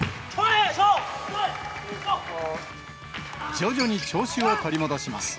徐々に調子を取り戻します。